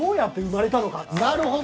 なるほど！